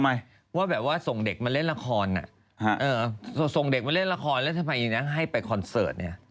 หมายว่าแบบว่าส่งเด็กมาเล่นละครส่งเด็กมาเล่นละครแล้วทำไมให้ไปคอนเสิร์ตเนี่ย